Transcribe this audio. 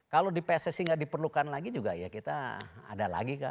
kalau di pssi nggak diperlukan lagi juga ya kita ada lagi kan